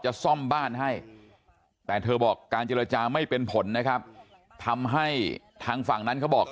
ซ่อมบ้านให้แต่เธอบอกการเจรจาไม่เป็นผลนะครับทำให้ทางฝั่งนั้นเขาบอก